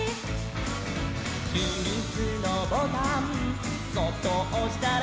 「ひみつのボタンそっとおしたら」「」